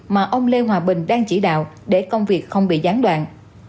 mà ông lê hòa bình đang chỉ đạo để công việc không bị gián đoạn